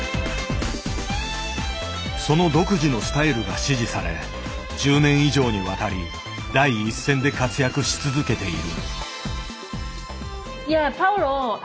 その独自のスタイルが支持され１０年以上にわたり第一線で活躍し続けている。